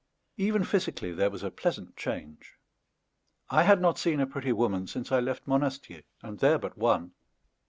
Even physically there was a pleasant change. I had not seen a pretty woman since I left Monastier, and there but one.